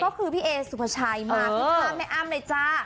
ก็คือพี่เอสุภาชายมากนะคะแม่อ้ำหน่อยจ้า